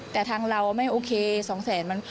แต่ทั้งเราไม่โอเค๒แสน